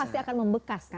itu pasti akan membekas kan